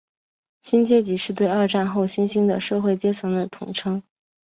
新阶级是对二战后新兴的社会阶层的统称。